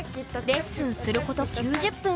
レッスンすること９０分。